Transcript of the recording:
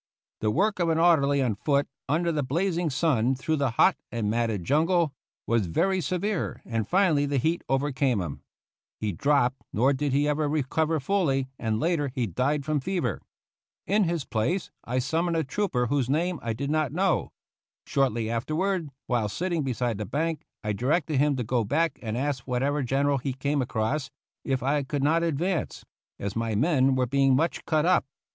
The work of an orderly on foot, under the blazing sun, through the hot and matted jun gle, was very severe, and finally the heat overcame him. He dropped ; nor did he ever recover fully, and later he died from fever. In his place I sum moned a trooper whose name I did not know. Shortly afterward, while sitting beside the bank, I directed him to go back and ask whatever gen eral he came across if I could not advance, as my men were being much cut up.